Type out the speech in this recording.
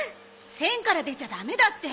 線から出ちゃダメだって。